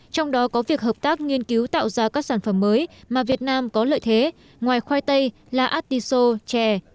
trong đó có việc hợp tác nghiên cứu tạo ra các sản phẩm mới mà việt nam có lợi thế ngoài khoai tây là atiso chè